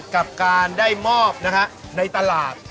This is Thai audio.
กับการได้มอบนะครับในตลาด